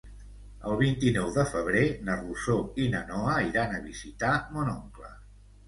El vint-i-nou de febrer na Rosó i na Noa iran a visitar mon oncle.